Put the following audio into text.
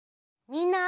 みんな！